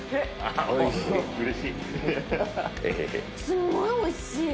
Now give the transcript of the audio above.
すんごいおいしい！